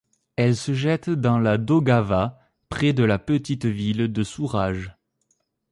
Elle se jette dans la Daugava près de la petite ville de Souraj.